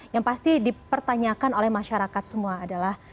yang pasti dipertanyakan oleh masyarakat semua adalah